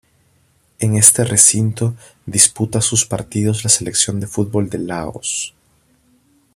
En este recinto disputa sus partidos la Selección de fútbol de Laos.